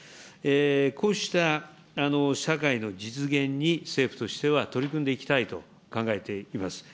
こうした社会の実現に、政府としては取り組んでいきたいと考えています。